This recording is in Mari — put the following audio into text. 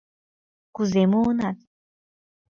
Кузе муынат?